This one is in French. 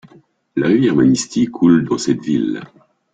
La rivière Manistee coule dans cette ville.